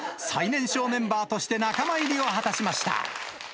最年少メンバーとして仲間入りを果たしました。